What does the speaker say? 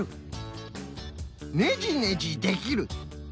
「ねじねじできる」。